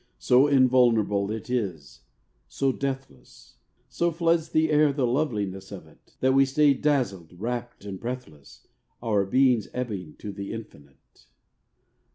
So invulnerable it is, so deathless, So floods the air the loveliness of it, That we stay dazzled, rapt and breathless, Our beings ebbing to the infinite.